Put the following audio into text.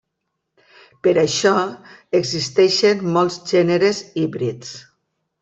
Per això existeixen molts gèneres híbrids.